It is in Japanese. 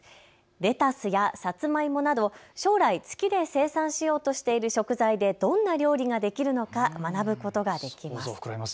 レタスやサツマイモなど将来月で生産しようとしている食材でどんな料理ができるのか学ぶことができます。